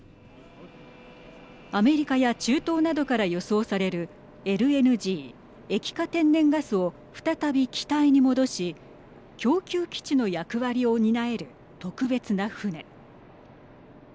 アメリカや中東などから輸送されるＬＮＧ＝液化天然ガスを再び気体に戻し供給基地の役割を担える特別な船。